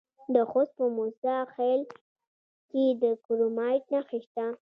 د خوست په موسی خیل کې د کرومایټ نښې شته.